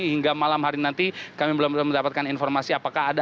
hingga malam hari nanti kami belum mendapatkan informasi apakah ada